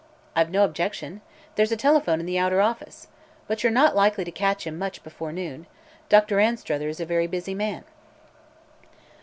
"I've no objection. There's a telephone in the outer office. But you're not likely to catch him much before noon. Dr. Anstruther is a very busy man."